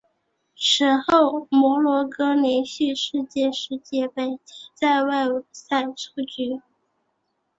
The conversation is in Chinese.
此后摩洛哥连续四届世界杯皆在外围赛出局。